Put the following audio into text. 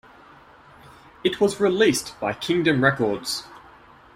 It was released by Kingdom Records.